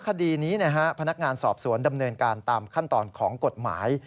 คดีนี้พนักงานสอบสวนดำเนินการตามขั้นตอนของกฎหมาย